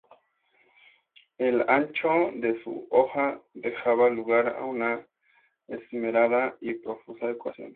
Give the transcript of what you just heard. El ancho de su hoja dejaba lugar a una esmerada y profusa decoración.